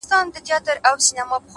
هوډ د نیمګړو امکاناتو ځواک راویښوي’